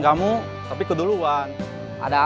halo enggak ada